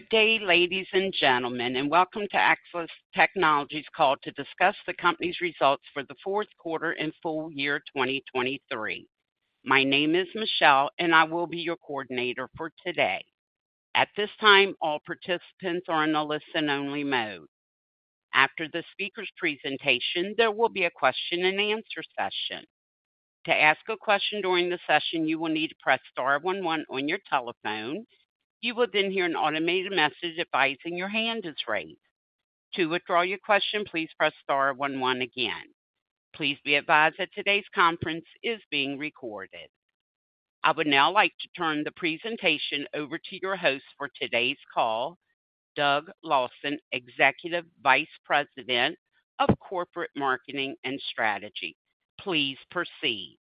Good day, ladies and gentlemen, and welcome to Axcelis Technologies call to discuss the company's results for the fourth quarter and full year 2023. My name is Michelle, and I will be your coordinator for today. At this time, all participants are in a listen-only mode. After the speaker's presentation, there will be a question-and-answer session. To ask a question during the session, you will need to press star one one on your telephone. You will then hear an automated message advising your hand is raised. To withdraw your question, please press star one one again. Please be advised that today's conference is being recorded. I would now like to turn the presentation over to your host for today's call, Doug Lawson, Executive Vice President of Corporate Marketing and Strategy. Please proceed.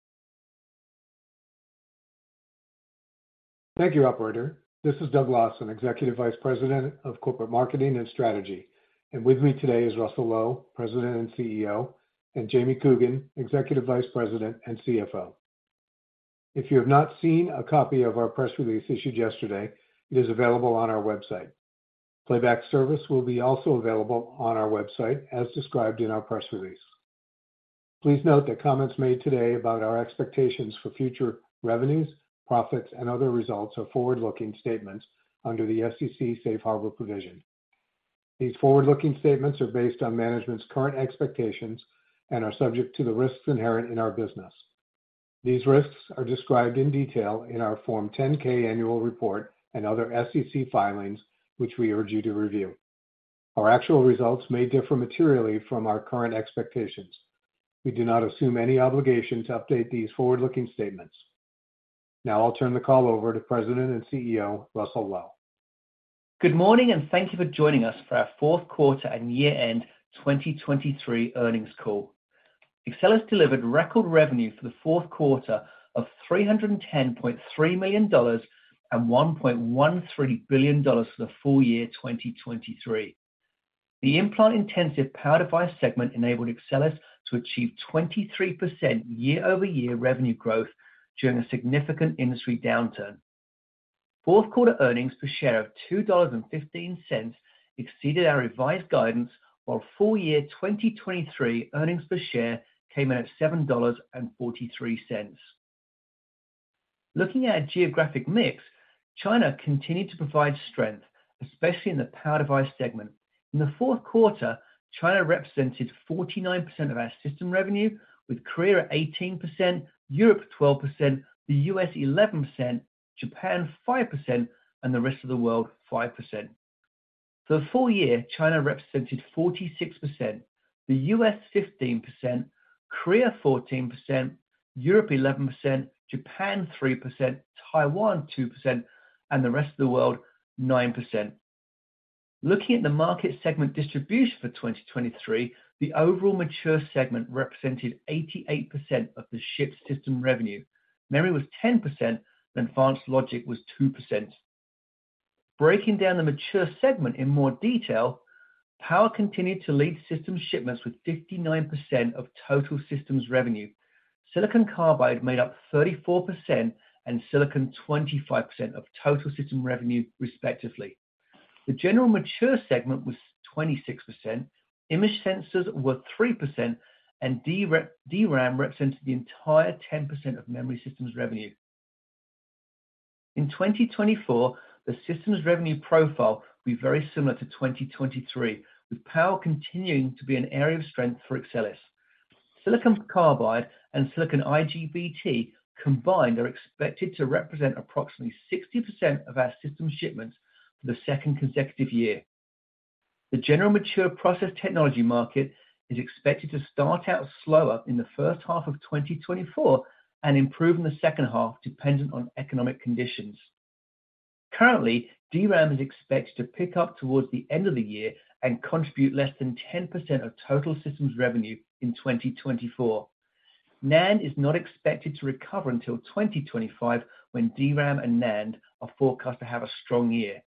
Thank you, operator. This is Doug Lawson, Executive Vice President of Corporate Marketing and Strategy, and with me today is Russell Low, President and CEO, and Jamie Coogan, Executive Vice President and CFO. If you have not seen a copy of our press release issued yesterday, it is available on our website. Playback service will be also available on our website, as described in our press release. Please note that comments made today about our expectations for future revenues, profits, and other results are forward-looking statements under the SEC safe harbor provision. These forward-looking statements are based on management's current expectations and are subject to the risks inherent in our business. These risks are described in detail in our Form 10-K annual report and other SEC filings, which we urge you to review. Our actual results may differ materially from our current expectations. We do not assume any obligation to update these forward-looking statements. Now I'll turn the call over to President and CEO, Russell Low. Good morning, and thank you for joining us for our fourth quarter and year-end 2023 earnings call. Axcelis delivered record revenue for the fourth quarter of $310.3 million and $1.13 billion for the full year 2023. The implant-intensive power device segment enabled Axcelis to achieve 23% year-over-year revenue growth during a significant industry downturn. Fourth quarter earnings per share of $2.15 exceeded our revised guidance, while full year 2023 earnings per share came in at $7.43. Looking at geographic mix, China continued to provide strength, especially in the power device segment. In the fourth quarter, China represented 49% of our system revenue, with Korea at 18%, Europe 12%, the U.S. 11%, Japan 5%, and the rest of the world 5%. For the full year, China represented 46%, the U.S. 15%, Korea 14%, Europe 11%, Japan 3%, Taiwan 2%, and the rest of the world 9%. Looking at the market segment distribution for 2023, the overall mature segment represented 88% of the shipped system revenue. Memory was 10%, and advanced logic was 2%. Breaking down the mature segment in more detail, power continued to lead system shipments with 59% of total systems revenue. Silicon carbide made up 34% and silicon, 25% of total system revenue, respectively. The general mature segment was 26%, image sensors were 3%, and DRAM represented the entire 10% of memory systems revenue. In 2024, the systems revenue profile will be very similar to 2023, with power continuing to be an area of strength for Axcelis. Silicon Carbide and silicon IGBT combined are expected to represent approximately 60% of our system shipments for the second consecutive year. The general mature process technology market is expected to start out slower in the first half of 2024 and improve in the second half, dependent on economic conditions. Currently, DRAM is expected to pick up towards the end of the year and contribute less than 10% of total systems revenue in 2024. NAND is not expected to recover until 2025, when DRAM and NAND are forecast to have a strong year.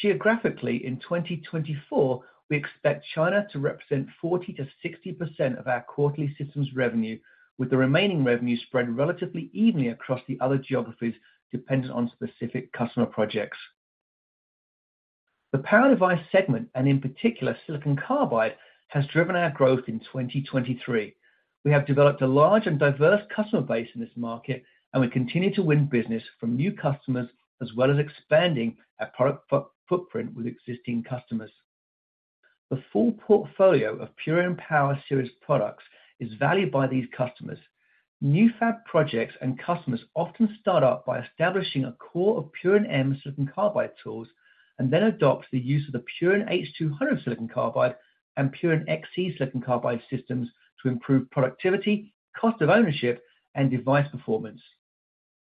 Geographically, in 2024, we expect China to represent 40%-60% of our quarterly systems revenue, with the remaining revenue spread relatively evenly across the other geographies, dependent on specific customer projects. The power device segment, and in particular Silicon Carbide, has driven our growth in 2023. We have developed a large and diverse customer base in this market, and we continue to win business from new customers, as well as expanding our product footprint with existing customers. The full portfolio of Purion Power Series products is valued by these customers. New fab projects and customers often start up by establishing a core of Purion M silicon carbide tools and then adopt the use of the Purion H200 silicon carbide and Purion XC silicon carbide systems to improve productivity, cost of ownership, and device performance.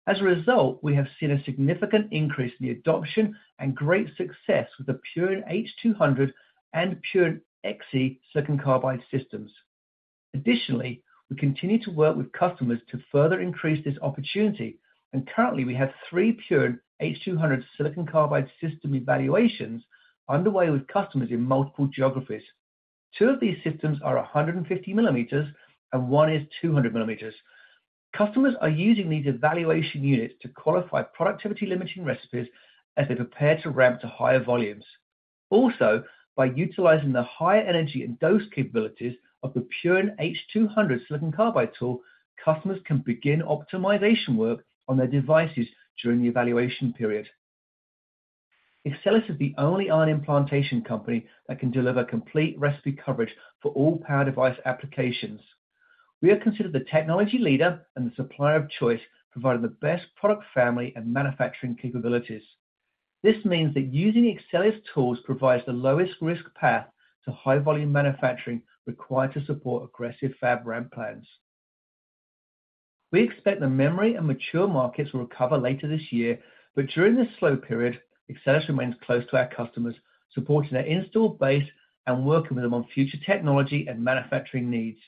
As a result, we have seen a significant increase in the adoption and great success with the Purion H200 and Purion XC silicon carbide systems. Additionally, we continue to work with customers to further increase this opportunity, and currently, we have three Purion H200 silicon carbide system evaluations underway with customers in multiple geographies. Two of these systems are 150 millimeters, and one is 200 millimeters. Customers are using these evaluation units to qualify productivity limiting recipes as they prepare to ramp to higher volumes. Also, by utilizing the high energy and dose capabilities of the Purion H200 silicon carbide tool, customers can begin optimization work on their devices during the evaluation period. Axcelis is the only ion implantation company that can deliver complete recipe coverage for all power device applications. We are considered the technology leader and the supplier of choice, providing the best product family and manufacturing capabilities. This means that using the Axcelis tools provides the lowest risk path to high volume manufacturing required to support aggressive fab ramp plans. We expect the memory and mature markets will recover later this year, but during this slow period, Axcelis remains close to our customers, supporting their installed base and working with them on future technology and manufacturing needs.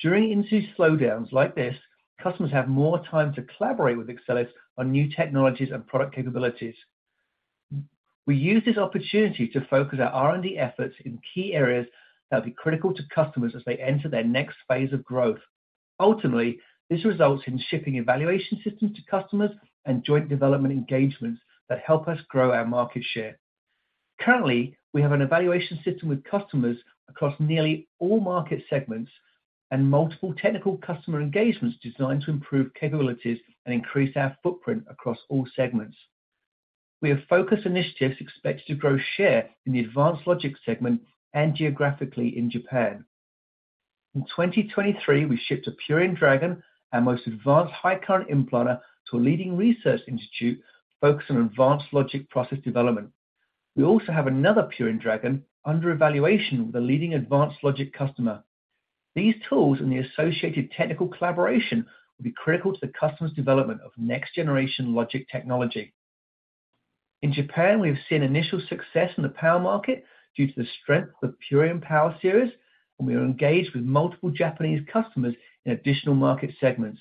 During industry slowdowns like this, customers have more time to collaborate with Axcelis on new technologies and product capabilities. We use this opportunity to focus our R&D efforts in key areas that will be critical to customers as they enter their next phase of growth. Ultimately, this results in shipping evaluation systems to customers and joint development engagements that help us grow our market share. Currently, we have an evaluation system with customers across nearly all market segments and multiple technical customer engagements designed to improve capabilities and increase our footprint across all segments. We have focused initiatives expected to grow share in the advanced logic segment and geographically in Japan. In 2023, we shipped a Purion Dragon, our most advanced high current implanter, to a leading research institute focused on advanced logic process development. We also have another Purion Dragon under evaluation with a leading advanced logic customer. These tools and the associated technical collaboration will be critical to the customer's development of next generation logic technology. In Japan, we have seen initial success in the power market due to the strength of the Purion Power series, and we are engaged with multiple Japanese customers in additional market segments.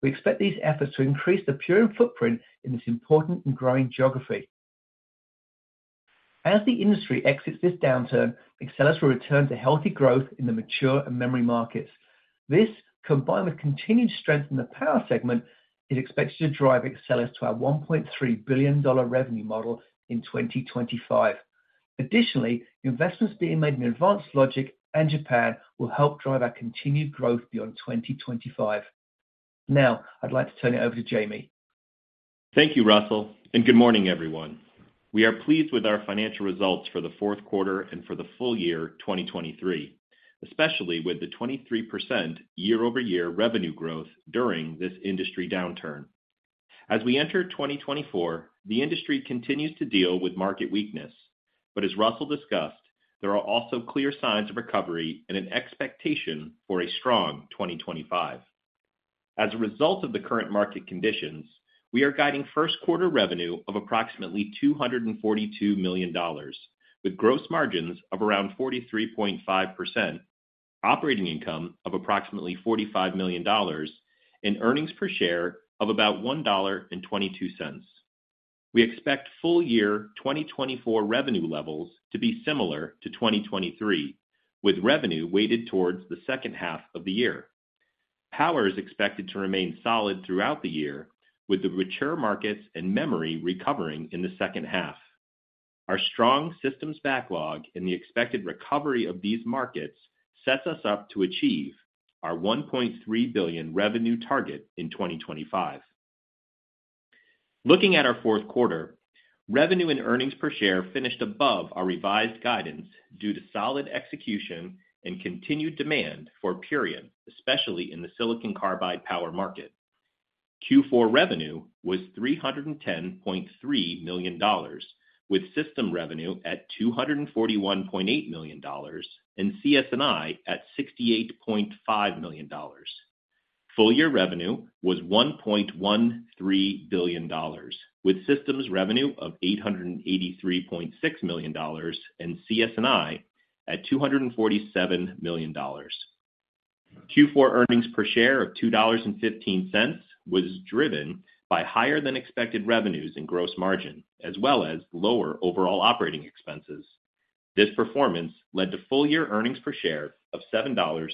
We expect these efforts to increase the Purion footprint in this important and growing geography. As the industry exits this downturn, Axcelis will return to healthy growth in the mature and memory markets. This, combined with continued strength in the power segment, is expected to drive Axcelis to our $1.3 billion revenue model in 2025. Additionally, investments being made in Advanced Logic and Japan will help drive our continued growth beyond 2025. Now, I'd like to turn it over to Jamie. Thank you, Russell, and good morning, everyone. We are pleased with our financial results for the fourth quarter and for the full year 2023, especially with the 23% year-over-year revenue growth during this industry downturn. As we enter 2024, the industry continues to deal with market weakness, but as Russell discussed, there are also clear signs of recovery and an expectation for a strong 2025. As a result of the current market conditions, we are guiding first quarter revenue of approximately $242 million, with gross margins of around 43.5%, operating income of approximately $45 million, and earnings per share of about $1.22. We expect full year 2024 revenue levels to be similar to 2023, with revenue weighted towards the second half of the year. Power is expected to remain solid throughout the year, with the mature markets and memory recovering in the second half. Our strong systems backlog and the expected recovery of these markets sets us up to achieve our $1.3 billion revenue target in 2025. Looking at our fourth quarter, revenue and earnings per share finished above our revised guidance due to solid execution and continued demand for Purion, especially in the silicon carbide power market. Q4 revenue was $310.3 million, with system revenue at $241.8 million, and CS&I at $68.5 million. Full year revenue was $1.13 billion, with systems revenue of $883.6 million, and CS&I at $247 million. Q4 earnings per share of $2.15 was driven by higher than expected revenues and gross margin, as well as lower overall operating expenses. This performance led to full year earnings per share of $7.43.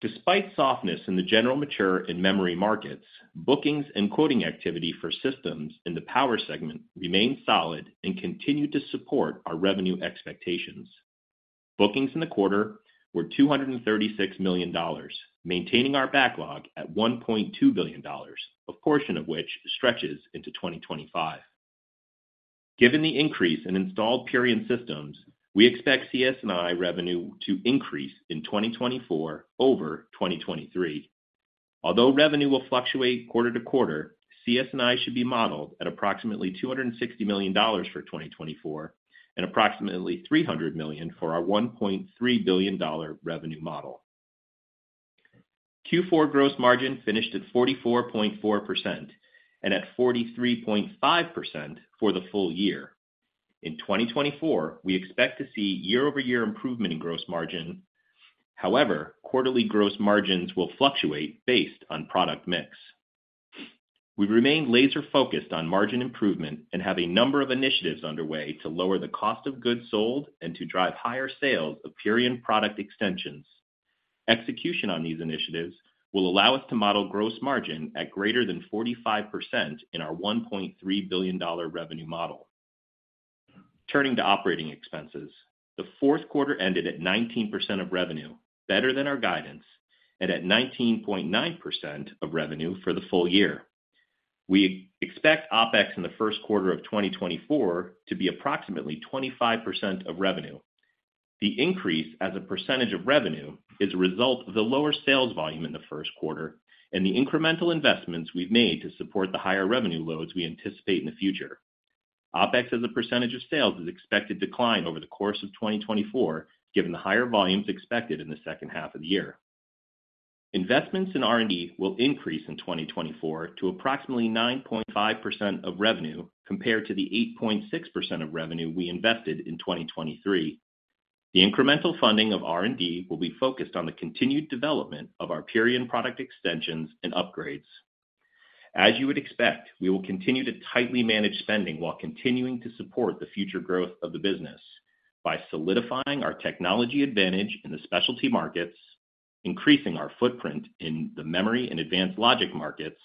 Despite softness in the general mature and memory markets, bookings and quoting activity for systems in the power segment remained solid and continued to support our revenue expectations. Bookings in the quarter were $236 million, maintaining our backlog at $1.2 billion, a portion of which stretches into 2025. Given the increase in installed Purion systems, we expect CS&I revenue to increase in 2024 over 2023. Although revenue will fluctuate quarter to quarter, CS&I should be modeled at approximately $260 million for 2024, and approximately $300 million for our $1.3 billion revenue model. Q4 gross margin finished at 44.4% and at 43.5% for the full year. In 2024, we expect to see year-over-year improvement in gross margin. However, quarterly gross margins will fluctuate based on product mix. We remain laser focused on margin improvement and have a number of initiatives underway to lower the cost of goods sold and to drive higher sales of Purion product extensions. Execution on these initiatives will allow us to model gross margin at greater than 45% in our $1.3 billion revenue model. Turning to operating expenses, the fourth quarter ended at 19% of revenue, better than our guidance, and at 19.9% of revenue for the full year. We expect OpEx in the first quarter of 2024 to be approximately 25% of revenue. The increase as a percentage of revenue is a result of the lower sales volume in the first quarter and the incremental investments we've made to support the higher revenue loads we anticipate in the future. OpEx as a percentage of sales is expected to decline over the course of 2024, given the higher volumes expected in the second half of the year. Investments in R&D will increase in 2024 to approximately 9.5% of revenue, compared to the 8.6% of revenue we invested in 2023. The incremental funding of R&D will be focused on the continued development of our Purion product extensions and upgrades. As you would expect, we will continue to tightly manage spending while continuing to support the future growth of the business by solidifying our technology advantage in the specialty markets, increasing our footprint in the memory and advanced logic markets,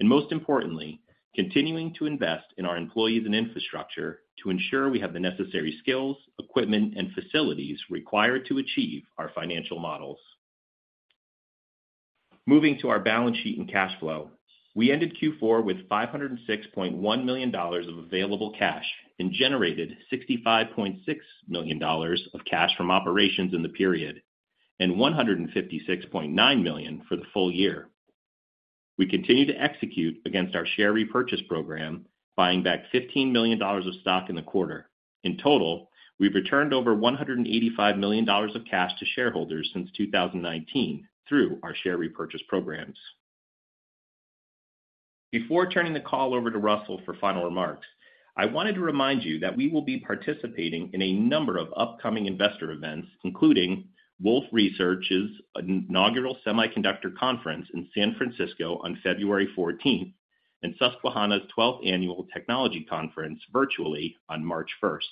and most importantly, continuing to invest in our employees and infrastructure to ensure we have the necessary skills, equipment, and facilities required to achieve our financial models. Moving to our balance sheet and cash flow. We ended Q4 with $506.1 million of available cash and generated $65.6 million of cash from operations in the period, and $156.9 million for the full year. We continue to execute against our share repurchase program, buying back $15 million of stock in the quarter. In total, we've returned over $185 million of cash to shareholders since 2019 through our share repurchase programs. Before turning the call over to Russell for final remarks, I wanted to remind you that we will be participating in a number of upcoming investor events, including Wolfe Research's Inaugural Semiconductor Conference in San Francisco on February fourteenth, and Susquehanna's Twelfth Annual Technology Conference virtually on March first.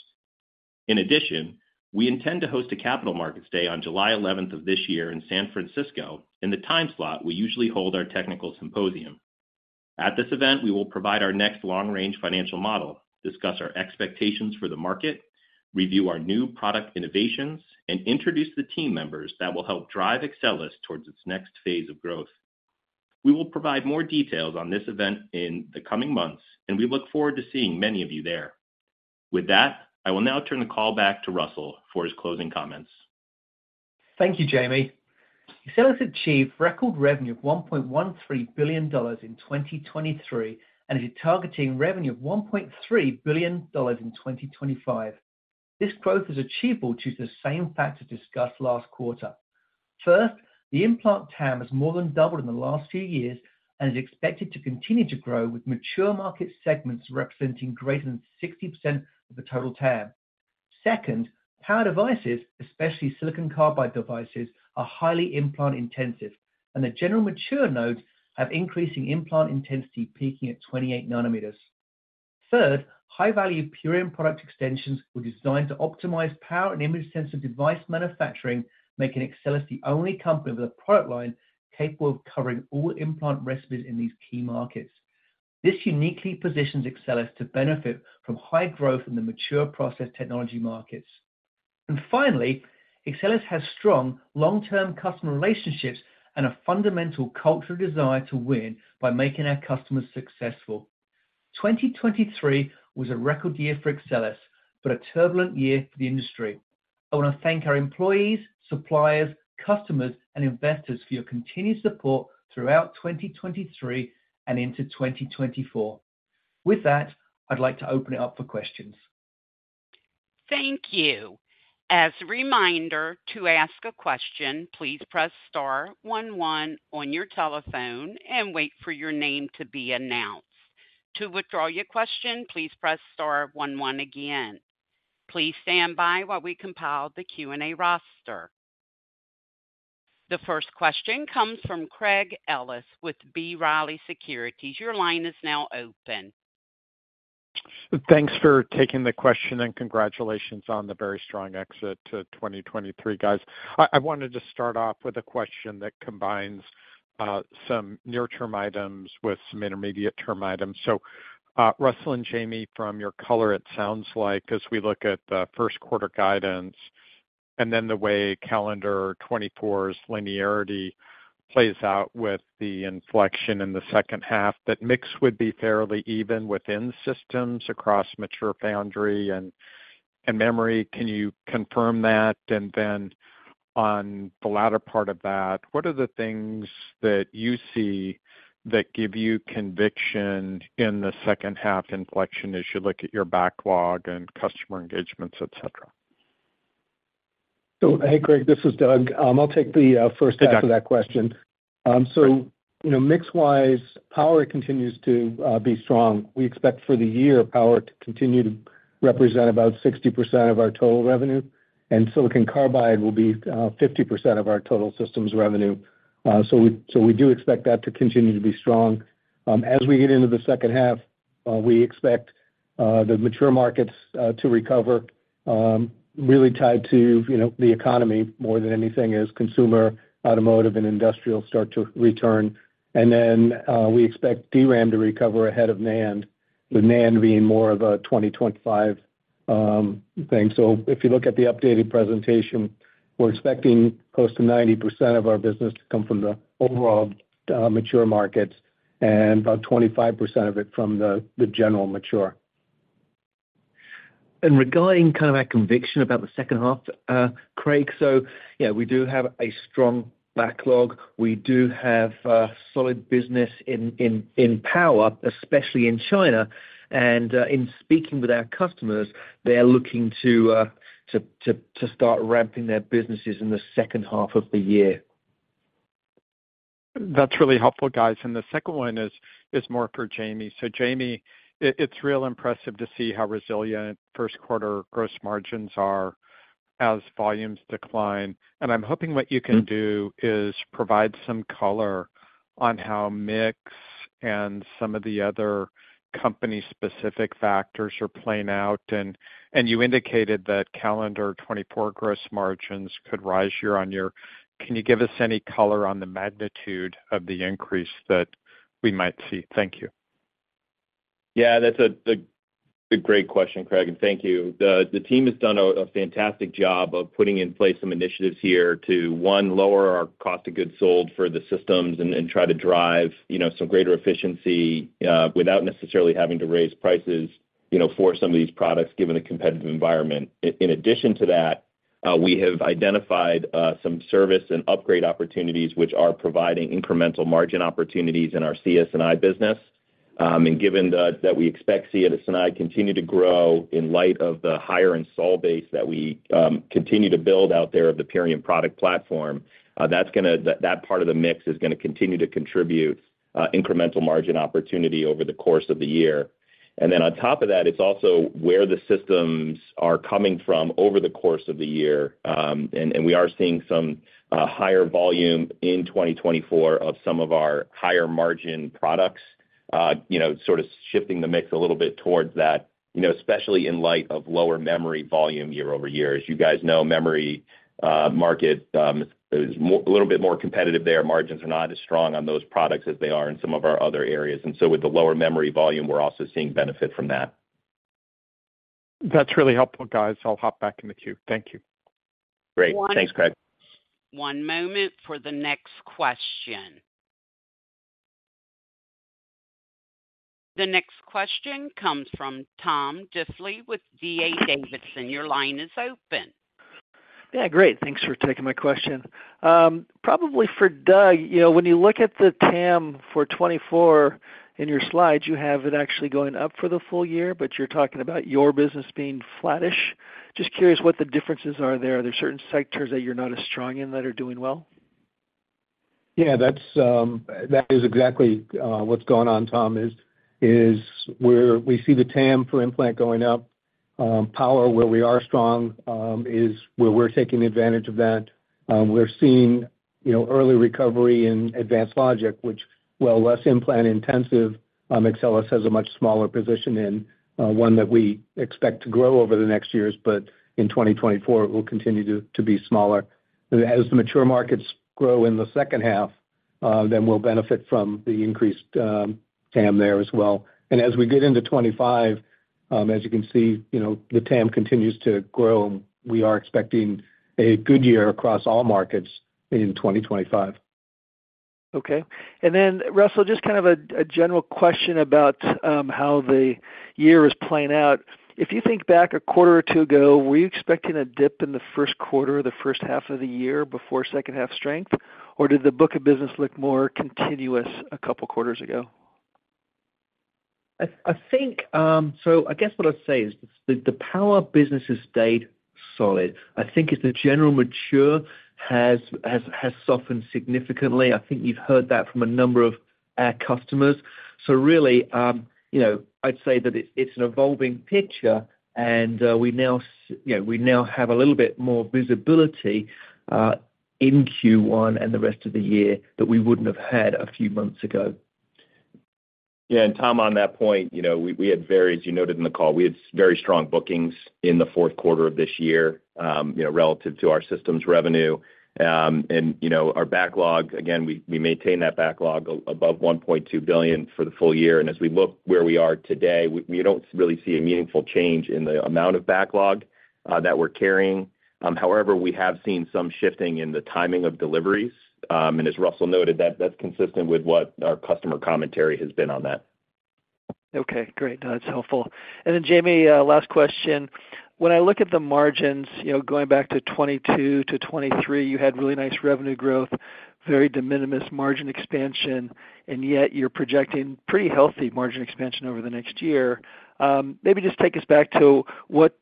In addition, we intend to host a Capital Markets Day on July eleventh of this year in San Francisco, in the time slot we usually hold our technical symposium. At this event, we will provide our next long-range financial model, discuss our expectations for the market, review our new product innovations, and introduce the team members that will help drive Axcelis towards its next phase of growth. We will provide more details on this event in the coming months, and we look forward to seeing many of you there. With that, I will now turn the call back to Russell for his closing comments. Thank you, Jamie. Axcelis achieved record revenue of $1.13 billion in 2023, and is targeting revenue of $1.3 billion in 2025. This growth is achievable due to the same factors discussed last quarter. First, the implant TAM has more than doubled in the last few years and is expected to continue to grow, with mature market segments representing greater than 60% of the total TAM. Second, Power Devices, especially Silicon Carbide devices, are highly implant-intensive, and the general mature nodes have increasing implant intensity, peaking at 28 nanometers. Third, high-value Purion product extensions were designed to optimize Power Device and Image Sensor device manufacturing, making Axcelis the only company with a product line capable of covering all implant recipes in these key markets. This uniquely positions Axcelis to benefit from high growth in the mature process technology markets. Finally, Axcelis has strong long-term customer relationships and a fundamental cultural desire to win by making our customers successful. 2023 was a record year for Axcelis, but a turbulent year for the industry. I want to thank our employees, suppliers, customers, and investors for your continued support throughout 2023 and into 2024. With that, I'd like to open it up for questions. Thank you. As a reminder, to ask a question, please press star one one on your telephone and wait for your name to be announced. To withdraw your question, please press star one one again. Please stand by while we compile the Q&A roster. The first question comes from Craig Ellis with B. Riley Securities. Your line is now open. Thanks for taking the question, and congratulations on the very strong exit to 2023, guys. I, I wanted to start off with a question that combines some near-term items with some intermediate-term items. So, Russell and Jamie, from your color, it sounds like as we look at the first quarter guidance, and then the way calendar 2024's linearity plays out with the inflection in the second half, that mix would be fairly even within systems across mature foundry and memory. Can you confirm that? And then on the latter part of that, what are the things that you see that give you conviction in the second half inflection as you look at your backlog and customer engagements, et cetera? Hey, Craig, this is Doug. I'll take the first half of that question.... So, you know, mix wise, power continues to be strong. We expect for the year, power to continue to represent about 60% of our total revenue, and silicon carbide will be 50% of our total systems revenue. So we, so we do expect that to continue to be strong. As we get into the second half, we expect the mature markets to recover, really tied to, you know, the economy more than anything, as consumer, automotive, and industrial start to return. And then, we expect DRAM to recover ahead of NAND, with NAND being more of a 2025 thing. So if you look at the updated presentation, we're expecting close to 90% of our business to come from the overall mature markets and about 25% of it from the general mature. Regarding kind of our conviction about the second half, Craig, so yeah, we do have a strong backlog. We do have solid business in power, especially in China, and in speaking with our customers, they're looking to start ramping their businesses in the second half of the year. That's really helpful, guys. The second one is more for Jamie. So Jamie, it's real impressive to see how resilient first quarter gross margins are as volumes decline. And I'm hoping what you can do is provide some color on how mix and some of the other company-specific factors are playing out. And you indicated that calendar 2024 gross margins could rise year-on-year. Can you give us any color on the magnitude of the increase that we might see? Thank you. Yeah, that's a great question, Craig, and thank you. The team has done a fantastic job of putting in place some initiatives here to one, lower our cost of goods sold for the systems and try to drive, you know, some greater efficiency without necessarily having to raise prices, you know, for some of these products, given the competitive environment. In addition to that, we have identified some service and upgrade opportunities, which are providing incremental margin opportunities in our CS&I business. And given that we expect CS&I to continue to grow in light of the higher installed base that we continue to build out there of the Purion product platform, that's gonna, that part of the mix is gonna continue to contribute incremental margin opportunity over the course of the year. And then on top of that, it's also where the systems are coming from over the course of the year. And we are seeing some higher volume in 2024 of some of our higher margin products, you know, sort of shifting the mix a little bit towards that, you know, especially in light of lower memory volume year-over-year. As you guys know, memory market is a little bit more competitive there. Margins are not as strong on those products as they are in some of our other areas. And so with the lower memory volume, we're also seeing benefit from that. That's really helpful, guys. I'll hop back in the queue. Thank you. Great. Thanks, Craig. One moment for the next question. The next question comes from Tom Diffely with D.A. Davidson. Your line is open. Yeah, great. Thanks for taking my question. Probably for Doug, you know, when you look at the TAM for 2024 in your slides, you have it actually going up for the full year, but you're talking about your business being flattish. Just curious what the differences are there. Are there certain sectors that you're not as strong in that are doing well? Yeah, that's, that is exactly what's going on, Tom, is where we see the TAM for implant going up. Power, where we are strong, is where we're taking advantage of that. We're seeing, you know, early recovery in advanced logic, which, while less implant intensive, Axcelis has a much smaller position in, one that we expect to grow over the next years, but in 2024, it will continue to be smaller. As the mature markets grow in the second half, then we'll benefit from the increased TAM there as well. And as we get into 2025, as you can see, you know, the TAM continues to grow. We are expecting a good year across all markets in 2025. Okay. And then Russell, just kind of a general question about how the year is playing out. If you think back a quarter or two ago, were you expecting a dip in the first quarter or the first half of the year before second half strength? Or did the book of business look more continuous a couple quarters ago? I think, so I guess what I'd say is the power business has stayed solid. I think it's the general mature has softened significantly. I think you've heard that from a number of our customers. So really, you know, I'd say that it's an evolving picture and, we now, you know, we now have a little bit more visibility, in Q1 and the rest of the year that we wouldn't have had a few months ago. Yeah, and Tom, on that point, you know, we had very, as you noted in the call, very strong bookings in the fourth quarter of this year, you know, relative to our systems revenue. And, you know, our backlog, again, we maintain that backlog above $1.2 billion for the full year. And as we look where we are today, we don't really see a meaningful change in the amount of backlog that we're carrying. However, we have seen some shifting in the timing of deliveries. And as Russell noted, that's consistent with what our customer commentary has been on that. Okay, great. That's helpful. And then, Jamie, last question. When I look at the margins, you know, going back to 2022 to 2023, you had really nice revenue growth, very de minimis margin expansion, and yet you're projecting pretty healthy margin expansion over the next year. Maybe just take us back to what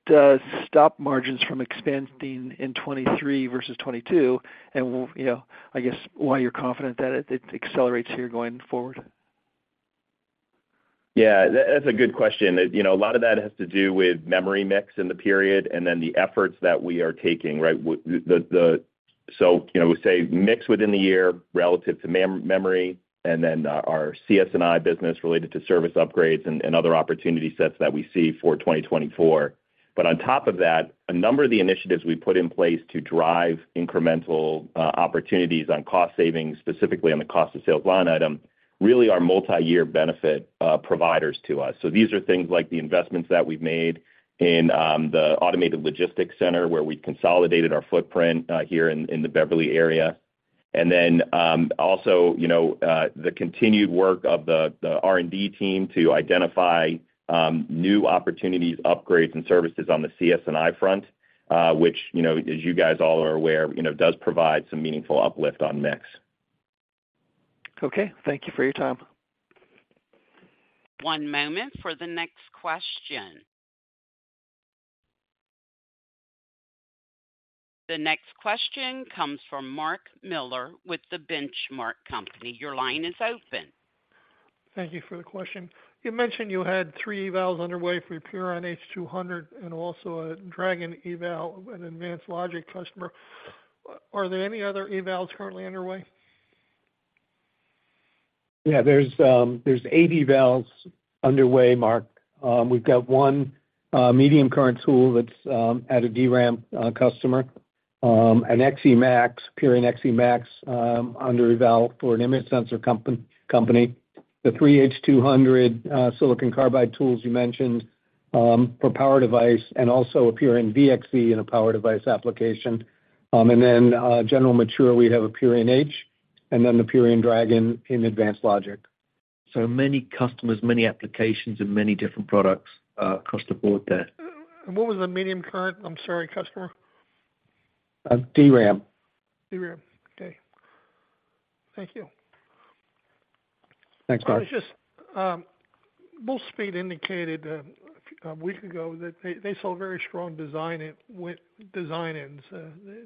stopped margins from expanding in 2023 versus 2022, and you know, I guess why you're confident that it accelerates here going forward?... Yeah, that's a good question. You know, a lot of that has to do with memory mix in the period and then the efforts that we are taking, right? The, so, you know, say, mix within the year relative to memory, and then our CS&I business related to service upgrades and other opportunity sets that we see for 2024. But on top of that, a number of the initiatives we put in place to drive incremental opportunities on cost savings, specifically on the cost of sales line item, really are multiyear benefit providers to us. So these are things like the investments that we've made in the automated logistics center, where we consolidated our footprint here in the Beverly area. And then, also, you know, the continued work of the R&D team to identify new opportunities, upgrades, and services on the CS&I front, which, you know, as you guys all are aware, you know, does provide some meaningful uplift on mix. Okay. Thank you for your time. One moment for the next question. The next question comes from Mark Miller with The Benchmark Company. Your line is open. Thank you for the question. You mentioned you had three evals underway for Purion H200 and also a Dragon eval, an Advanced Logic customer. Are there any other evals currently underway? Yeah, there's 8 evals underway, Mark. We've got 1 medium current tool that's at a DRAM customer, an XE MAX, Purion XEmax, under eval for an image sensor company. The 3 H200 silicon carbide tools you mentioned for power device and also a Purion VXe in a power device application. And then general mature, we have a Purion H, and then the Purion Dragon in Advanced Logic. So many customers, many applications, and many different products across the board there. What was the medium current, I'm sorry, customer? Uh, DRAM. DRAM. Okay. Thank you. Thanks, Mark. I was just Wolfspeed indicated a few weeks ago that they saw very strong design-ins.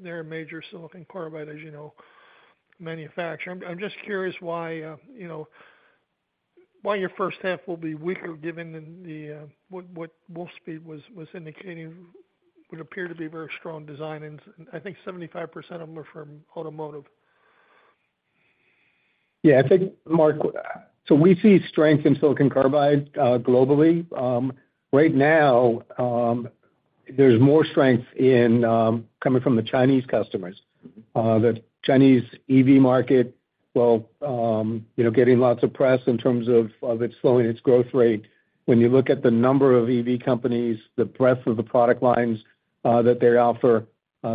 They're a major silicon carbide, as you know, manufacturer. I'm just curious why, you know, why your first half will be weaker, given what Wolfspeed was indicating would appear to be very strong design-ins. I think 75% of them are from automotive. Yeah, I think, Mark, so we see strength in silicon carbide globally. Right now, there's more strength coming from the Chinese customers. The Chinese EV market, well, you know, getting lots of press in terms of it slowing its growth rate. When you look at the number of EV companies, the breadth of the product lines that they offer,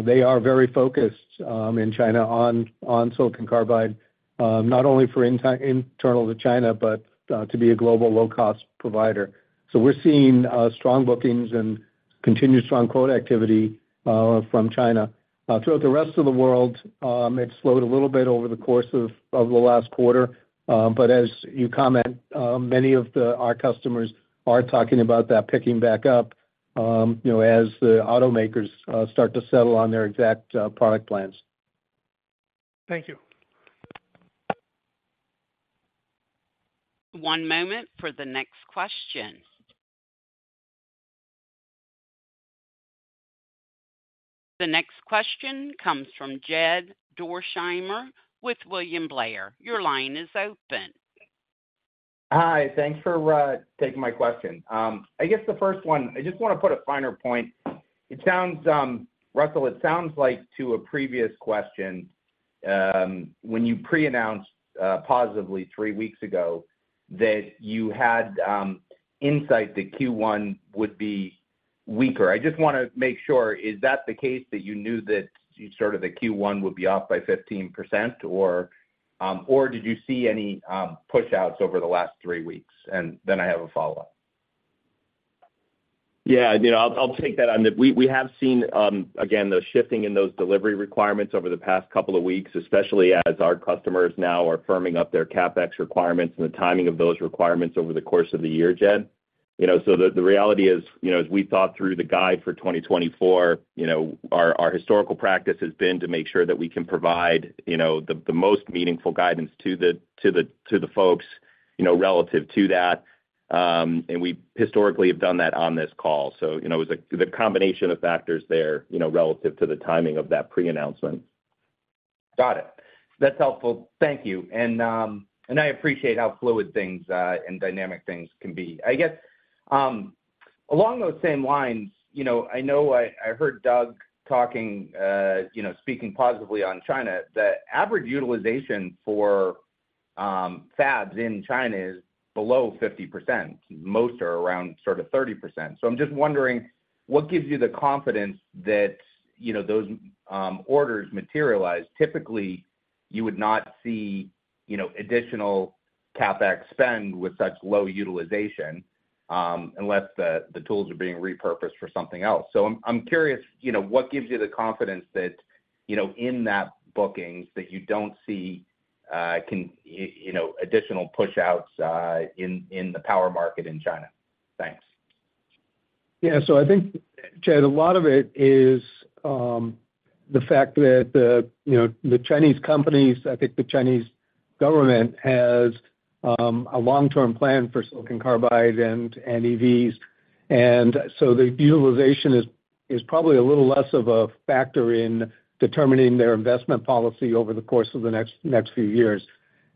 they are very focused in China on silicon carbide, not only for internal to China, but to be a global low-cost provider. So we're seeing strong bookings and continued strong quote activity from China. Throughout the rest of the world, it slowed a little bit over the course of the last quarter. But as you comment, many of our customers are talking about that picking back up, you know, as the automakers start to settle on their exact product plans. Thank you. One moment for the next question. The next question comes from Jed Dorsheimer with William Blair. Your line is open. Hi, thanks for taking my question. I guess the first one, I just want to put a finer point. It sounds, Russell, it sounds like to a previous question, when you pre-announced positively 3 weeks ago, that you had insight that Q1 would be weaker. I just wanna make sure, is that the case that you knew that sort of the Q1 would be off by 15%? Or, or did you see any pushouts over the last 3 weeks? And then I have a follow-up. Yeah, you know, I'll take that on. We have seen, again, the shifting in those delivery requirements over the past couple of weeks, especially as our customers now are firming up their CapEx requirements and the timing of those requirements over the course of the year, Jed. You know, so the reality is, you know, as we thought through the guide for 2024, you know, our historical practice has been to make sure that we can provide, you know, the most meaningful guidance to the folks, you know, relative to that. And we historically have done that on this call. So, you know, it was the combination of factors there, you know, relative to the timing of that pre-announcement. Got it. That's helpful. Thank you. And I appreciate how fluid things and dynamic things can be. I guess, along those same lines, you know, I know I heard Doug talking, you know, speaking positively on China, the average utilization for fabs in China is below 50%. Most are around sort of 30%. So I'm just wondering, what gives you the confidence that, you know, those orders materialize? Typically, you would not see, you know, additional CapEx spend with such low utilization, unless the tools are being repurposed for something else. So I'm curious, you know, what gives you the confidence that, you know, in that bookings, that you don't see you know, additional pushouts in the power market in China? Thanks.... Yeah, so I think, Chad, a lot of it is the fact that the, you know, the Chinese companies, I think the Chinese government has a long-term plan for silicon carbide and EVs. And so the utilization is probably a little less of a factor in determining their investment policy over the course of the next few years.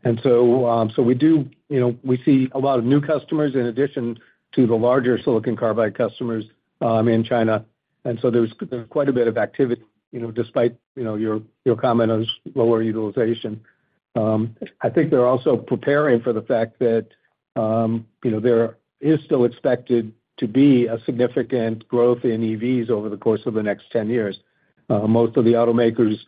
And so we do, you know, we see a lot of new customers in addition to the larger silicon carbide customers in China. And so there's quite a bit of activity, you know, despite your comment on lower utilization. I think they're also preparing for the fact that, you know, there is still expected to be a significant growth in EVs over the course of the next ten years. Most of the automakers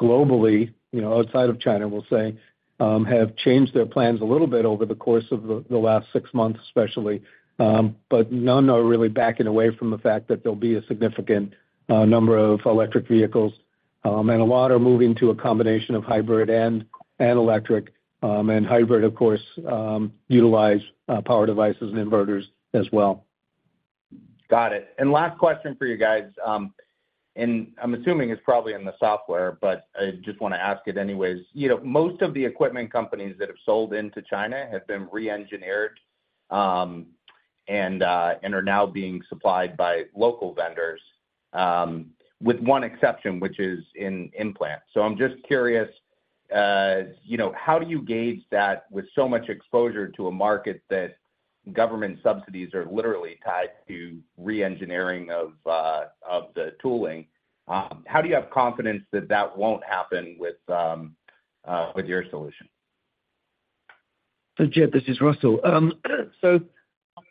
globally, you know, outside of China, we'll say, have changed their plans a little bit over the course of the last six months, especially. But none are really backing away from the fact that there'll be a significant number of electric vehicles. And a lot are moving to a combination of hybrid and, and electric, and hybrid, of course, utilize power devices and inverters as well. Got it. And last question for you guys, and I'm assuming it's probably in the software, but I just wanna ask it anyways. You know, most of the equipment companies that have sold into China have been re-engineered, and are now being supplied by local vendors, with one exception, which is in implant. So I'm just curious, you know, how do you gauge that with so much exposure to a market that government subsidies are literally tied to reengineering of, of the tooling, how do you have confidence that that won't happen with, with your solution? So, Jed, this is Russell. So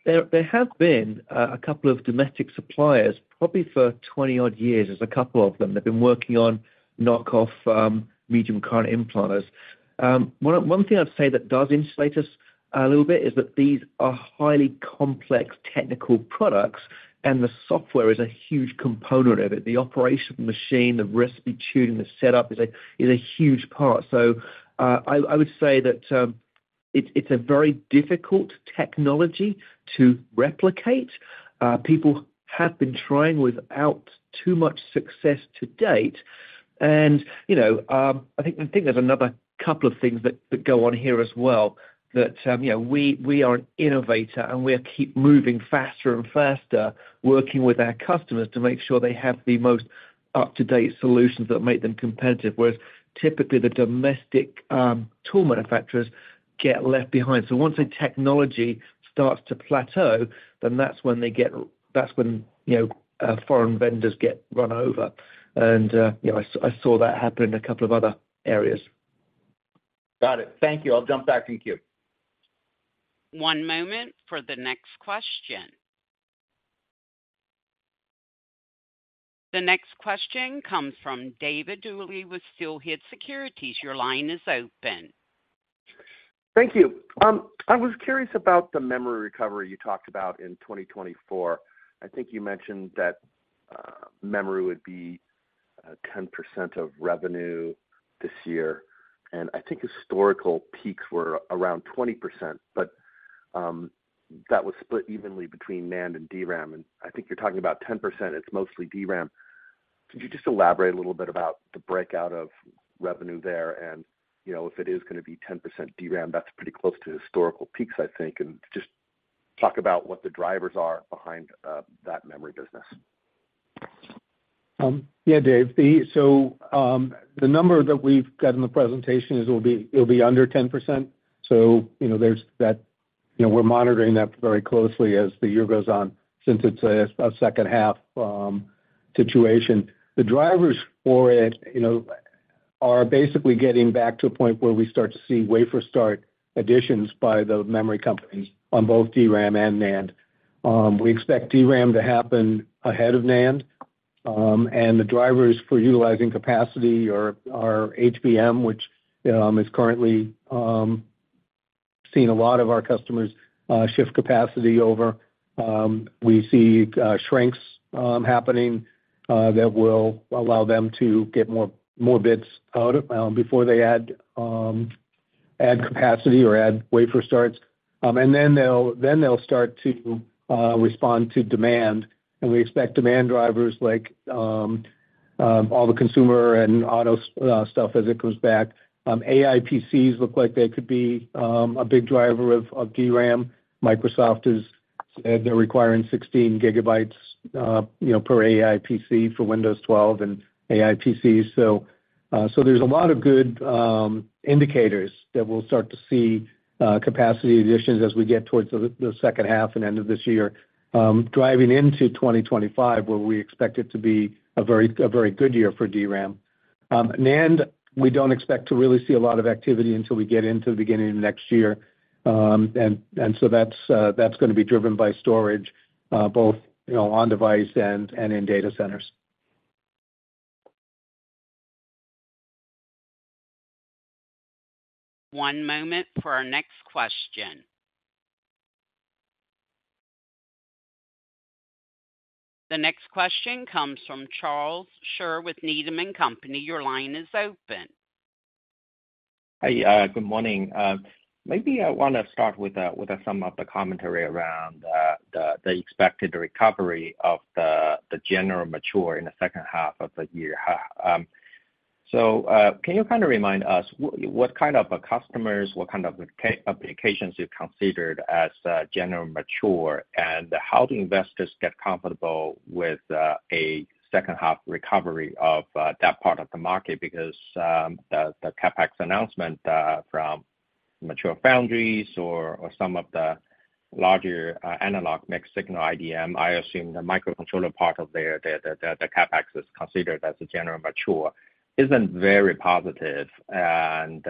there have been a couple of domestic suppliers, probably for 20-odd years. There's a couple of them. They've been working on knockoff medium current implanters. One thing I'd say that does insulate us a little bit is that these are highly complex technical products, and the software is a huge component of it. The operation of the machine, the recipe tuning, the setup is a huge part. So I would say that it's a very difficult technology to replicate. People have been trying without too much success to date. And, you know, I think, I think there's another couple of things that, that go on here as well, that, you know, we, we are an innovator, and we keep moving faster and faster, working with our customers to make sure they have the most up-to-date solutions that make them competitive. Whereas typically the domestic tool manufacturers get left behind. So once a technology starts to plateau, then that's when they get. That's when, you know, foreign vendors get run over. And, you know, I, I saw that happen in a couple of other areas. Got it. Thank you. I'll jump back in queue. One moment for the next question. The next question comes from David Duley with Steelhead Securities. Your line is open. Thank you. I was curious about the memory recovery you talked about in 2024. I think you mentioned that memory would be 10% of revenue this year, and I think historical peaks were around 20%, but that was split evenly between NAND and DRAM, and I think you're talking about 10%, it's mostly DRAM. Could you just elaborate a little bit about the breakout of revenue there? And, you know, if it is gonna be 10% DRAM, that's pretty close to historical peaks, I think. And just talk about what the drivers are behind that memory business. Yeah, Dave, so the number that we've got in the presentation is it'll be, it'll be under 10%. So, you know, there's that. You know, we're monitoring that very closely as the year goes on since it's a second-half situation. The drivers for it, you know, are basically getting back to a point where we start to see wafer start additions by the memory companies on both DRAM and NAND. We expect DRAM to happen ahead of NAND, and the drivers for utilizing capacity are HBM, which is currently seeing a lot of our customers shift capacity over. We see shrinks happening that will allow them to get more, more bits out before they add capacity or add wafer starts. And then they'll start to respond to demand, and we expect demand drivers like all the consumer and auto stuff as it comes back. AI PCs look like they could be a big driver of DRAM. Microsoft, they're requiring 16 GB, you know, per AI PC for Windows 12 and AI PCs. So, so there's a lot of good indicators that we'll start to see capacity additions as we get towards the second half and end of this year, driving into 2025, where we expect it to be a very good year for DRAM. NAND, we don't expect to really see a lot of activity until we get into the beginning of next year. And so that's gonna be driven by storage, both, you know, on device and in data centers. One moment for our next question. The next question comes from Charles Shi with Needham and Company. Your line is open.... Hi, good morning. Maybe I want to start with some of the commentary around the expected recovery of the general mature in the second half of the year. So, can you kind of remind us what kind of customers, what kind of applications you've considered as general mature? And how do investors get comfortable with a second half recovery of that part of the market? Because the CapEx announcement from mature foundries or some of the larger analog mixed signal IDM, I assume the microcontroller part of their CapEx is considered as a general mature, isn't very positive. And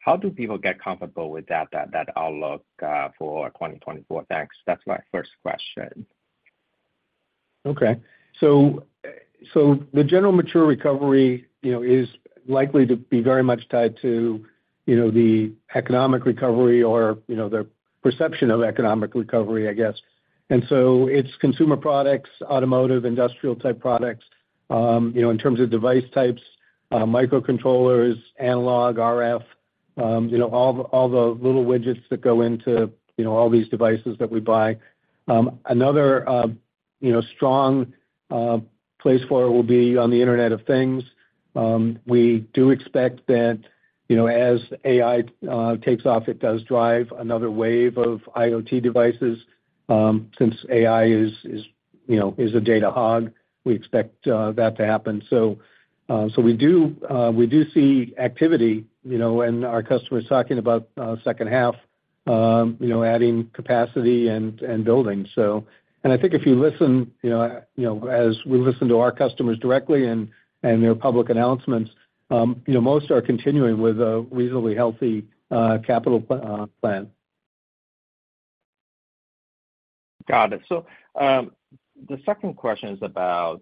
how do people get comfortable with that outlook for 2024? Thanks. That's my first question. Okay. So the general mature recovery, you know, is likely to be very much tied to, you know, the economic recovery or, you know, the perception of economic recovery, I guess. And so it's consumer products, automotive, industrial type products. You know, in terms of device types, microcontrollers, analog, RF, you know, all the little widgets that go into, you know, all these devices that we buy. Another, you know, strong place for it will be on the Internet of Things. We do expect that, you know, as AI takes off, it does drive another wave of IoT devices. Since AI is, you know, a data hog, we expect that to happen. So, so we do, we do see activity, you know, and our customers talking about, second half, you know, adding capacity and, and building. So and I think if you listen, you know, you know, as we listen to our customers directly and, and their public announcements, you know, most are continuing with a reasonably healthy, capital, plan. Got it. So, the second question is about,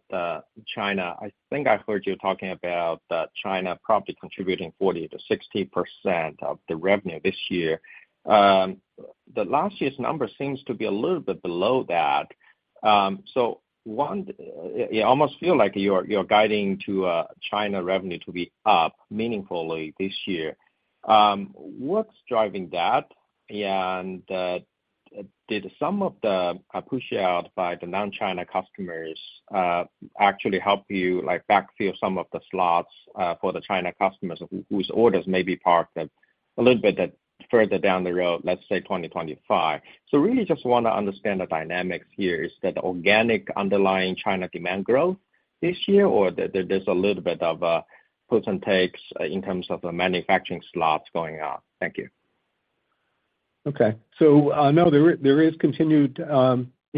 China. I think I heard you talking about that China probably contributing 40%-60% of the revenue this year. The last year's number seems to be a little bit below that. So it almost feel like you're guiding to, China revenue to be up meaningfully this year. What's driving that? And, did some of the push out by the non-China customers, actually help you, like, backfill some of the slots, for the China customers whose orders may be parked a little bit further down the road, let's say 2025? So really just want to understand the dynamics here. Is that organic underlying China demand growth this year, or there's a little bit of, puts and takes in terms of the manufacturing slots going out? Thank you. Okay. So, no, there is continued, you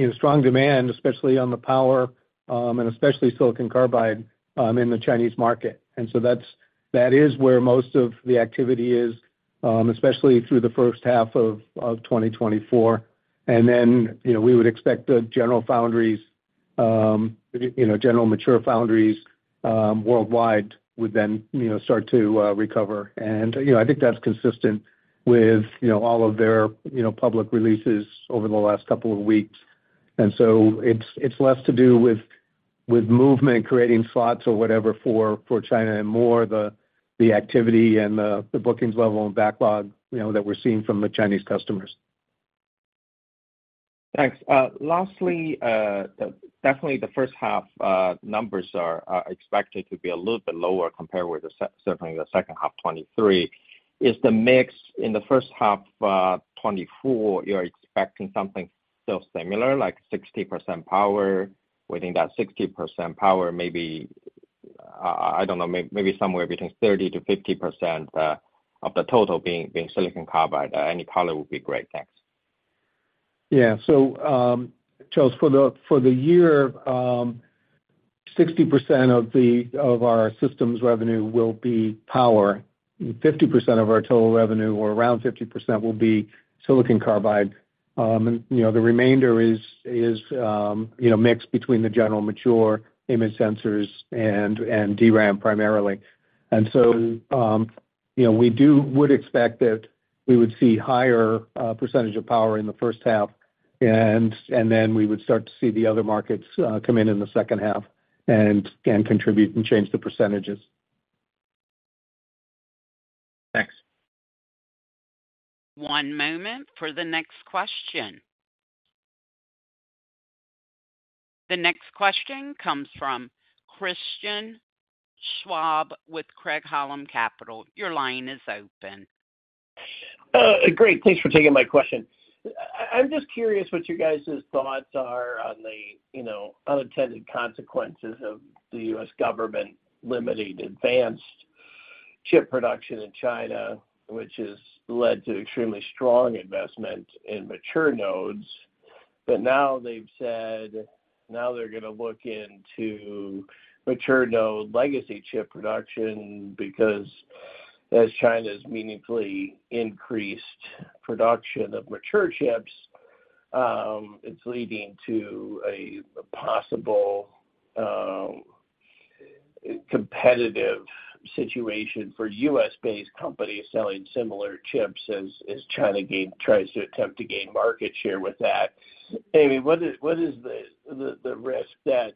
know, strong demand, especially on the power, and especially Silicon Carbide, in the Chinese market. And so that's, that is where most of the activity is, especially through the first half of 2024. And then, you know, we would expect the general foundries, you know, general mature foundries, worldwide would then, you know, start to recover. And, you know, I think that's consistent with, you know, all of their, you know, public releases over the last couple of weeks. And so it's, it's less to do with, with movement, creating slots or whatever, for, for China and more the, the activity and the, the bookings level and backlog, you know, that we're seeing from the Chinese customers. Thanks. Lastly, definitely the first half numbers are expected to be a little bit lower compared with certainly the second half 2023. Is the mix in the first half 2024 you're expecting something still similar, like 60% power, within that 60% power, maybe, I don't know, maybe somewhere between 30%-50% of the total being Silicon Carbide? Any color would be great. Thanks. Yeah. So, Charles, for the year, 60% of our systems revenue will be power. 50% of our total revenue, or around 50%, will be silicon carbide. And, you know, the remainder is, you know, mixed between the general mature image sensors and DRAM, primarily. And so, you know, we do would expect that we would see higher percentage of power in the first half, and then we would start to see the other markets come in in the second half and contribute and change the percentages. Thanks. One moment for the next question. The next question comes from Christian Schwab with Craig-Hallum Capital. Your line is open. Great, thanks for taking my question. I'm just curious what you guys' thoughts are on the, you know, unintended consequences of the U.S. government limiting advanced chip production in China, which has led to extremely strong investment in mature nodes. But now they've said, now they're going to look into mature node legacy chip production, because as China's meaningfully increased production of mature chips, it's leading to a possible competitive situation for U.S.-based companies selling similar chips as China tries to attempt to gain market share with that. What is the risk that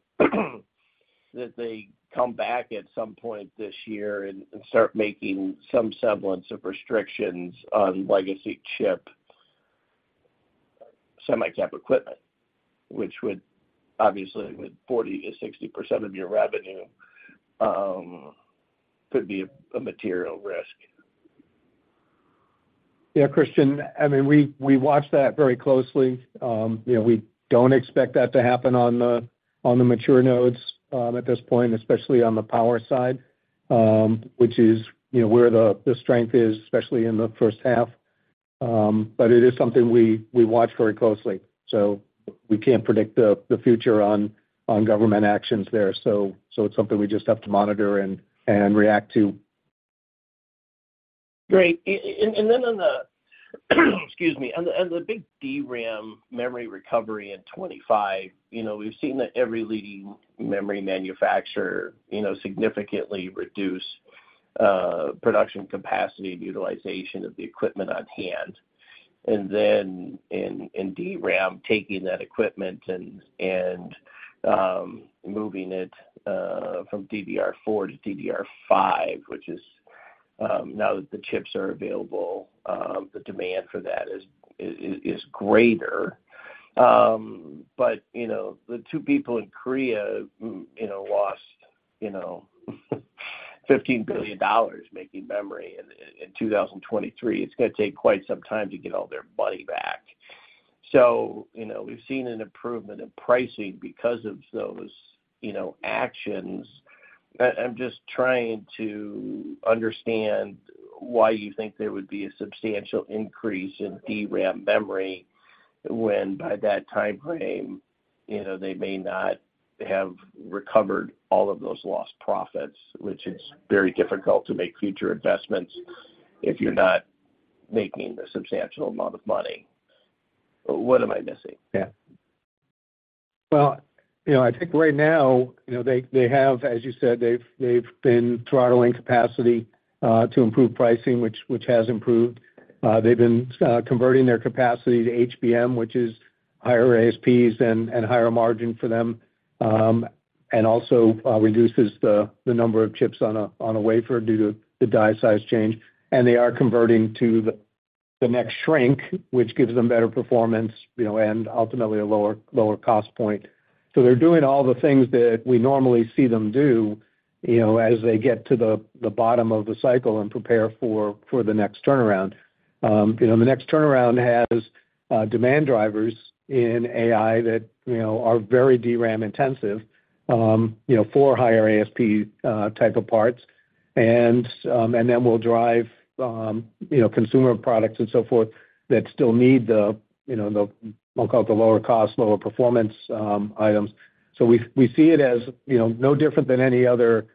they come back at some point this year and start making some semblance of restrictions on legacy chip semi cap equipment, which would obviously, with 40%-60% of your revenue, could be a material risk. Yeah, Christian, I mean, we watch that very closely. You know, we don't expect that to happen on the mature nodes at this point, especially on the power side, which is, you know, where the strength is, especially in the first half. But it is something we watch very closely. So we can't predict the future on government actions there. So it's something we just have to monitor and react to. Great. And then on the big DRAM memory recovery in 2025, you know, we've seen that every leading memory manufacturer, you know, significantly reduce production capacity and utilization of the equipment on hand. And then in DRAM, taking that equipment and moving it from DDR4 to DDR5, which is now that the chips are available, the demand for that is greater. But, you know, the two people in Korea, you know, lost $15 billion making memory in 2023. It's gonna take quite some time to get all their money back. So, you know, we've seen an improvement in pricing because of those, you know, actions. I'm just trying to understand why you think there would be a substantial increase in DRAM memory when by that timeframe, you know, they may not have recovered all of those lost profits, which it's very difficult to make future investments if you're not making a substantial amount of money. What am I missing? Yeah. Well, you know, I think right now, you know, they have, as you said, they've been throttling capacity to improve pricing, which has improved. They've been converting their capacity to HBM, which is higher ASPs and higher margin for them, and also reduces the number of chips on a wafer due to the die size change. And they are converting to the next shrink, which gives them better performance, you know, and ultimately a lower cost point. So they're doing all the things that we normally see them do, you know, as they get to the bottom of the cycle and prepare for the next turnaround. You know, the next turnaround has demand drivers in AI that, you know, are very DRAM intensive, you know, for higher ASP type of parts. And then we'll drive, you know, consumer products and so forth that still need the, you know, we'll call it the lower cost, lower performance items. So we see it as, you know, no different than any other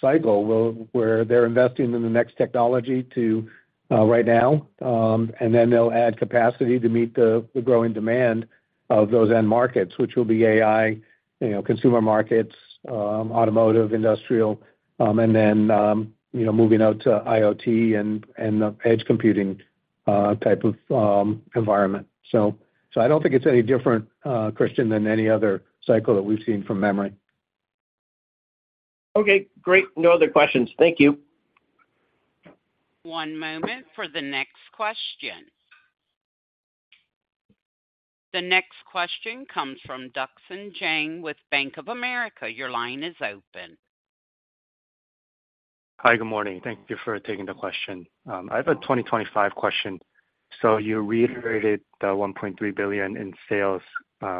cycle, where they're investing in the next technology right now, and then they'll add capacity to meet the growing demand of those end markets, which will be AI, you know, consumer markets, automotive, industrial, and then, you know, moving out to IoT and the edge computing type of environment. So, I don't think it's any different, Christian, than any other cycle that we've seen from memory. Okay, great. No other questions. Thank you. One moment for the next question. The next question comes from Duksan Jang with Bank of America. Your line is open. Hi, good morning. Thank you for taking the question. I have a 2025 question. So you reiterated the $1.3 billion in sales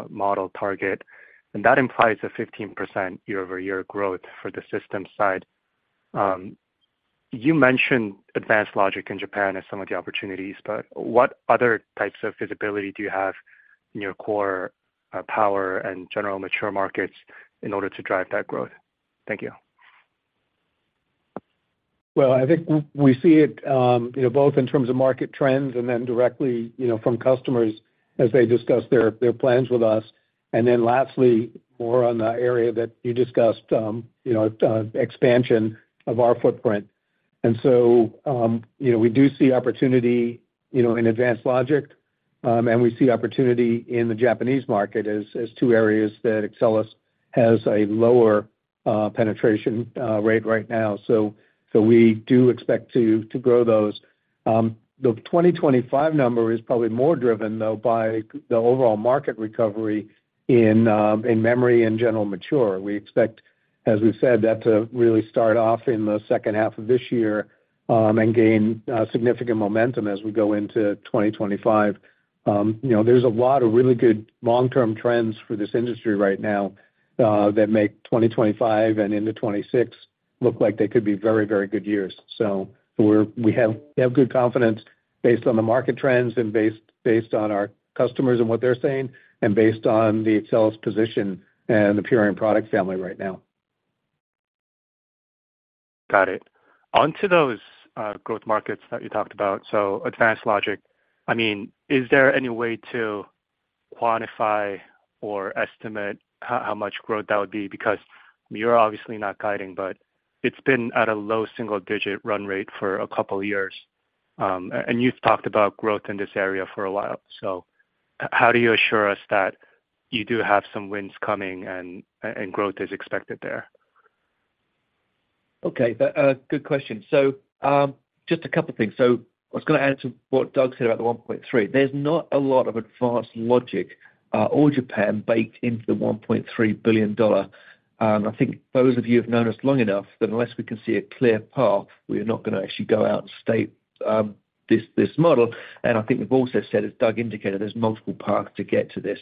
model target, and that implies a 15% year-over-year growth for the systems side. You mentioned Advanced Logic in Japan as some of the opportunities, but what other types of visibility do you have in your core, power and general mature markets in order to drive that growth? Thank you. Well, I think we see it, you know, both in terms of market trends and then directly, you know, from customers as they discuss their plans with us. And then lastly, more on the area that you discussed, you know, expansion of our footprint. And so, you know, we do see opportunity, you know, in advanced logic, and we see opportunity in the Japanese market as two areas that Axcelis has a lower penetration rate right now. So we do expect to grow those. The 2025 number is probably more driven, though, by the overall market recovery in memory and general mature. We expect, as we've said, that to really start off in the second half of this year, and gain significant momentum as we go into 2025. You know, there's a lot of really good long-term trends for this industry right now, that make 2025 and into 2026 look like they could be very, very good years. So we have good confidence based on the market trends and based on our customers and what they're saying, and based on the Axcelis position and the Purion product family right now. Got it. Onto those growth markets that you talked about, so Advanced Logic. I mean, is there any way to quantify or estimate how much growth that would be? Because you're obviously not guiding, but it's been at a low single digit run rate for a couple of years. And you've talked about growth in this area for a while, so.... How do you assure us that you do have some wins coming and growth is expected there? Okay, but, good question. So, just a couple of things. So I was going to add to what Doug said about the 1.3. There's not a lot of Advanced Logic, or Japan baked into the $1.3 billion. And I think those of you who have known us long enough, that unless we can see a clear path, we are not going to actually go out and state, this, this model. And I think we've also said, as Doug indicated, there's multiple paths to get to this.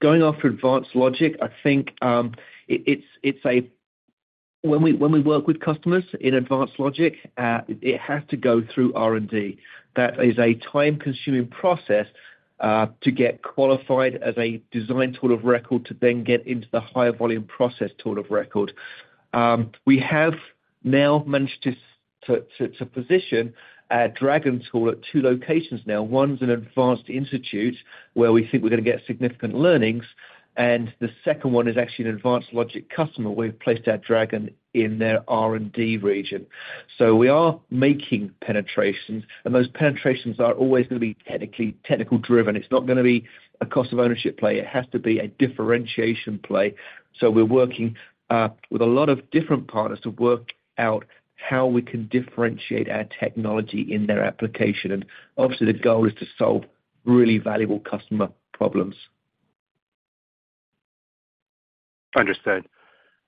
Going after Advanced Logic, I think, it's a, when we, when we work with customers in Advanced Logic, it has to go through R&D. That is a time-consuming process, to get qualified as a design tool of record, to then get into the higher volume process tool of record. We have now managed to position our Dragon tool at two locations. One's an advanced institute where we think we're going to get significant learnings, and the second one is actually an Advanced Logic customer, where we've placed our Dragon in their R&D region. So we are making penetrations, and those penetrations are always going to be technically driven. It's not going to be a cost of ownership play; it has to be a differentiation play. So we're working with a lot of different partners to work out how we can differentiate our technology in their application. And obviously, the goal is to solve really valuable customer problems. Understood.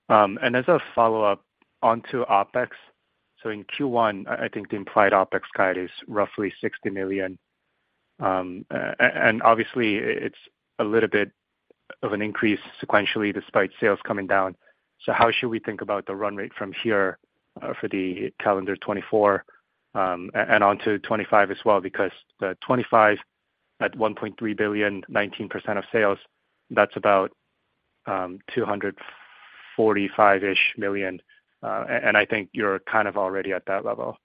And as a follow-up onto OpEx, so in Q1, I, I think the implied OpEx guide is roughly $60 million. And obviously it's a little bit of an increase sequentially, despite sales coming down. So how should we think about the run rate from here, for the calendar 2024, and onto 2025 as well? Because the 2025, at $1.3 billion, 19% of sales, that's about $245 million-ish, and, and I think you're kind of already at that level.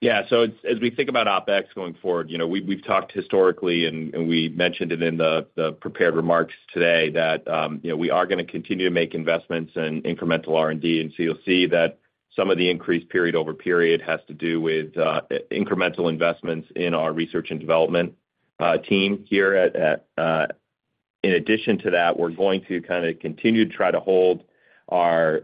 Yeah. So as we think about OpEx going forward, you know, we've talked historically, and we mentioned it in the prepared remarks today, that, you know, we are going to continue to make investments in incremental R&D. And so you'll see that some of the increased period over period has to do with incremental investments in our research and development team here at. In addition to that, we're going to kind of continue to try to hold our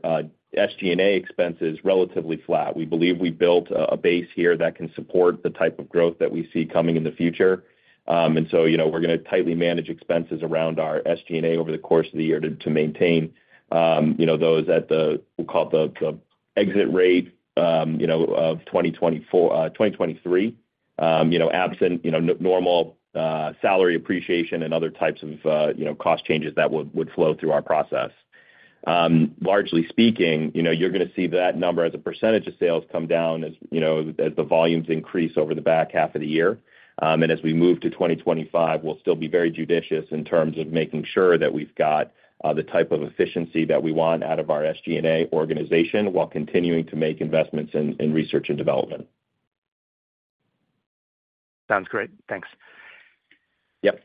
SG&A expenses relatively flat. We believe we built a base here that can support the type of growth that we see coming in the future. And so, you know, we're going to tightly manage expenses around our SG&A over the course of the year to maintain, you know, those at the—we'll call it the exit rate, you know, of 2024, 2023. You know, absent, you know, normal salary appreciation and other types of, you know, cost changes that would flow through our process. Largely speaking, you know, you're going to see that number as a percentage of sales come down as, you know, as the volumes increase over the back half of the year. And as we move to 2025, we'll still be very judicious in terms of making sure that we've got the type of efficiency that we want out of our SG&A organization while continuing to make investments in research and development. Sounds great. Thanks. Yep.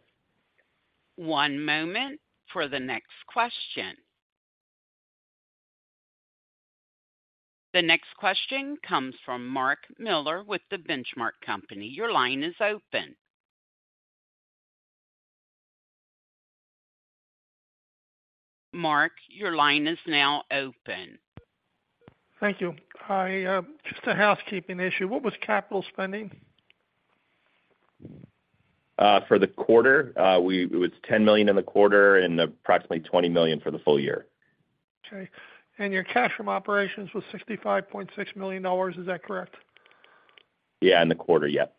One moment for the next question. The next question comes from Mark Miller with The Benchmark Company. Your line is open. Mark, your line is now open. Thank you. Hi, just a housekeeping issue. What was capital spending? For the quarter? It was $10 million in the quarter and approximately $20 million for the full year. Okay. And your cash from operations was $65.6 million. Is that correct? Yeah, in the quarter. Yep.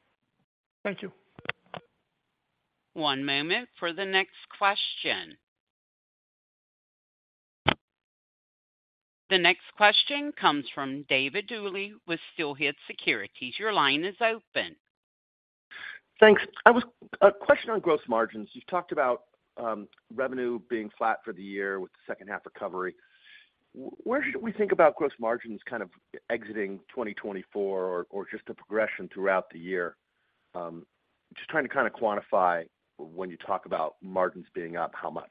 Thank you. One moment for the next question. The next question comes from David Dooley with Steelhead Securities. Your line is open. Thanks. Question on gross margins. You've talked about revenue being flat for the year with the second half recovery. Where should we think about gross margins kind of exiting 2024 or just the progression throughout the year? Just trying to kind of quantify when you talk about margins being up, how much?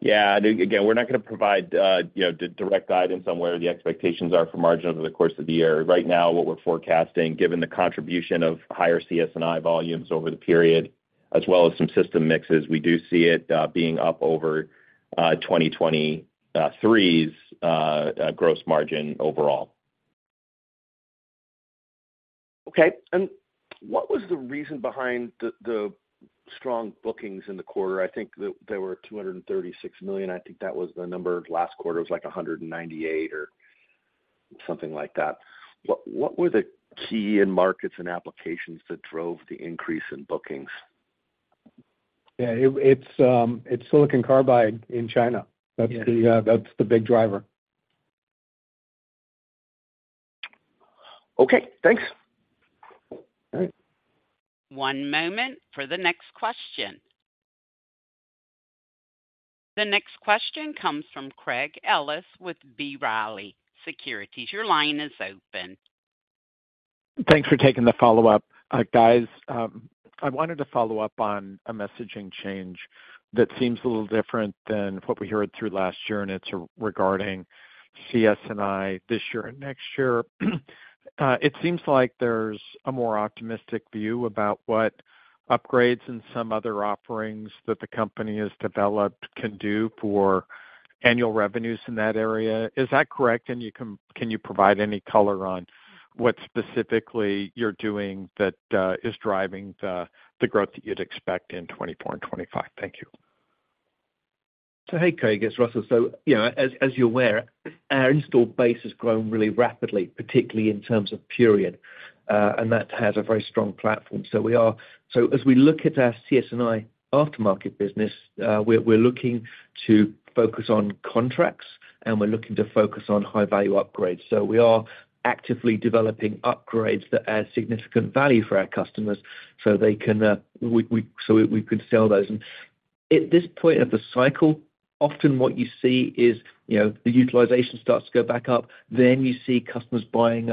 Yeah, again, we're not going to provide, you know, direct guidance on where the expectations are for margin over the course of the year. Right now, what we're forecasting, given the contribution of higher CS&I volumes over the period, as well as some system mixes, we do see it being up over 2023's gross margin overall. Okay. And what was the reason behind the, the strong bookings in the quarter? I think that they were $236 million. I think that was the number. Last quarter was, like, $198 million or something like that. What, what were the key end markets and applications that drove the increase in bookings? Yeah, it's Silicon Carbide in China. Yeah. That's the, that's the big driver. Okay, thanks. All right. One moment for the next question. The next question comes from Craig Ellis with B. Riley Securities. Your line is open. Thanks for taking the follow-up. Guys, I wanted to follow up on a messaging change that seems a little different than what we heard through last year, and it's regarding CS&I this year and next year. It seems like there's a more optimistic view about what upgrades and some other offerings that the company has developed can do for annual revenues in that area. Is that correct? And can you provide any color on what specifically you're doing that is driving the growth that you'd expect in 2024 and 2025? Thank you. So hey, Craig, it's Russell. So, you know, as you're aware, our installed base has grown really rapidly, particularly in terms of Purion, and that has a very strong platform. So as we look at our CS&I aftermarket business, we're looking to focus on contracts, and we're looking to focus on high-value upgrades. So we are actively developing upgrades that add significant value for our customers, so they can, so we could sell those. And at this point of the cycle, often what you see is, you know, the utilization starts to go back up, then you see customers buying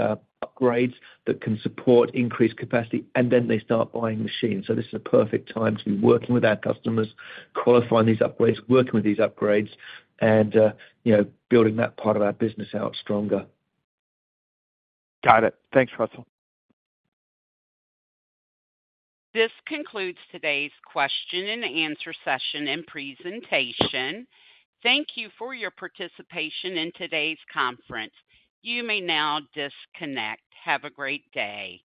upgrades that can support increased capacity, and then they start buying machines. This is a perfect time to be working with our customers, qualifying these upgrades, working with these upgrades, and, you know, building that part of our business out stronger. Got it. Thanks, Russell. This concludes today's question and answer session and presentation. Thank you for your participation in today's conference. You may now disconnect. Have a great day.